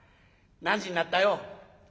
何時になったよ？」。